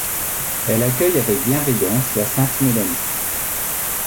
Elle accueille avec bienveillance la sainte Mélanie.